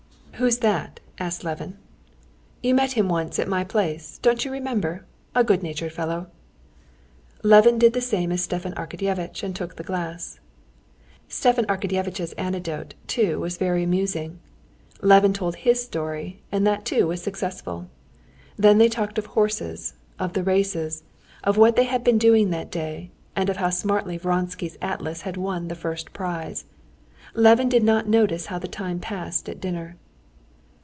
"Who's that?" asked Levin. "You met him once at my place, don't you remember? A good natured fellow." Levin did the same as Stepan Arkadyevitch and took the glass. Stepan Arkadyevitch's anecdote too was very amusing. Levin told his story, and that too was successful. Then they talked of horses, of the races, of what they had been doing that day, and of how smartly Vronsky's Atlas had won the first prize. Levin did not notice how the time passed at dinner.